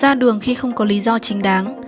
ra đường khi không có lý do chính đáng